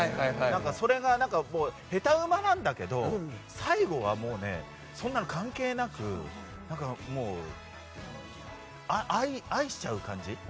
それがヘタウマなんだけど最後はもうそんなの関係なく愛しちゃう感じ。